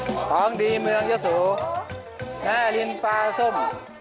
โอ้โฮของดีเมืองเยอะสูร์แม่ลินปลาส้ม